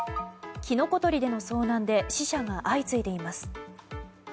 キノコ採りでの遭難で死者が相次いでいます。